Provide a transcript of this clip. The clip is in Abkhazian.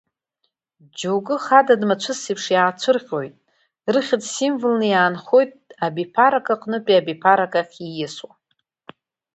Џьоукых адыд-мацәыс еиԥш иаацәырҟьоит, рыхьӡ символны иаанхоит абиԥарак аҟнытәи абиԥарак ахь ииасуа.